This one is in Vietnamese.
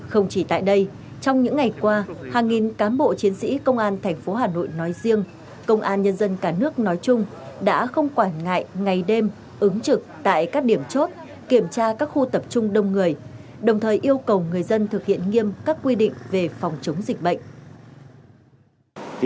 không chỉ tại đây trong những ngày qua hàng nghìn cán bộ chiến sĩ công an thành phố hà nội nói riêng công an nhân dân cả nước nói chung đã không quản ngại ngày đêm ứng trực tại các điểm chốt kiểm tra các khu tập trung đông người đồng thời yêu cầu người dân thực hiện nghiêm các quy định về phòng chống dịch bệnh